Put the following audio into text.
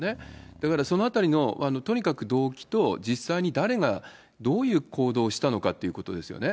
だからそのあたりの、とにかく動機と、実際に誰がどういう行動をしたのかということですよね。